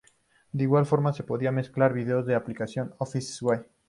De igual forma, se podían mezclar videos de la aplicación Office Sway.